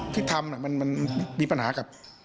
ที่ทำมันมีปัญหากับ